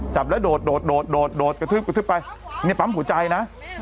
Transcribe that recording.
จับแล้วโดดโดดโดดโดดโดดกระทึบกระทึบไปเนี่ยปั๊มหูใจนะ